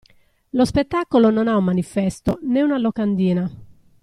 Lo spettacolo non ha un manifesto, né una locandina.